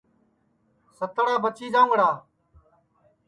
ستڑا بچی جاؤنٚگڑا